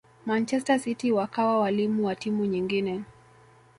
manchester city wakawa walimu wa timu nyingine